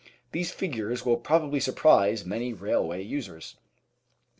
These figures will probably surprise many railway users.